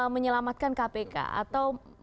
menyelamatkan kpk atau